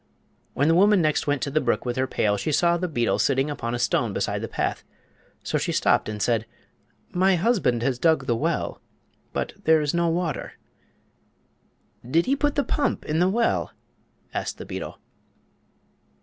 When the woman next went to the brook with her pail she saw the beetle sitting upon a stone beside her path. So she stopped and said: "My husband has dug the well; but there is no water." "Did he put the pump in the well?" asked the beetle.